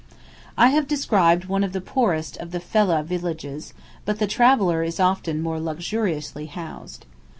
I have described one of the poorest of the "fellah" villages, but the traveller is often more luxuriously housed.